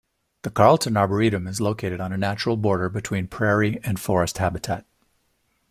The Carleton Arboretum is located on a natural border between prairie and forest habitat.